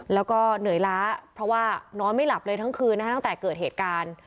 แล้วก็เหนื่อยล้าเพราะว่านอนไม่หลับเลยทั้งคืนนะคะตั้งแต่เกิดเหตุการณ์